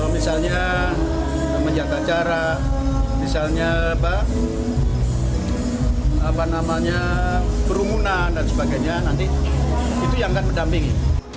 misalnya menjaga jarak misalnya kerumunan dan sebagainya nanti itu yang akan mendampingi